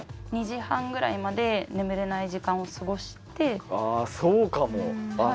２時半ぐらいまで眠れない時間を過ごして。